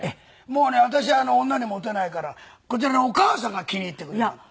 もうね私女にモテないからこちらのお母さんが気に入ってくれて。